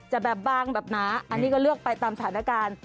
แบบบางแบบหนาอันนี้ก็เลือกไปตามสถานการณ์